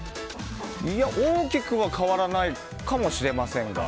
いや、大きくは変わらないかもしれませんが。